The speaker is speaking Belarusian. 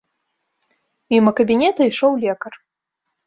Міма кабінета ішоў лекар.